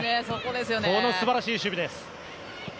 この素晴らしい守備です。